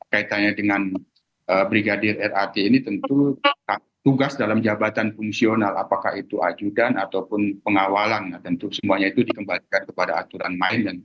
kaitannya dengan brigadir rat ini tentu tugas dalam jabatan fungsional apakah itu ajudan ataupun pengawalan tentu semuanya itu dikembalikan kepada aturan main